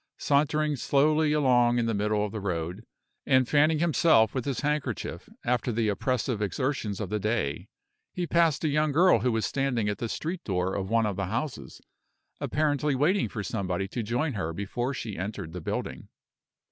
Sauntering slowly along in the middle of the road, and fanning himself with his handkerchief after the oppressive exertions of the day, he passed a young girl who was standing at the street door of one of the houses, apparently waiting for somebody to join her before she entered the building.